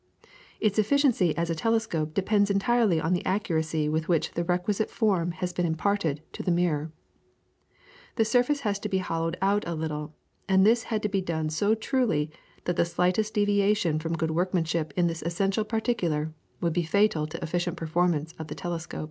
Its efficiency as a telescope depends entirely on the accuracy with which the requisite form has been imparted to the mirror. The surface has to be hollowed out a little, and this has to be done so truly that the slightest deviation from good workmanship in this essential particular would be fatal to efficient performance of the telescope.